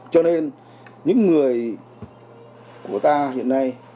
cho nên những người của ta hiện nay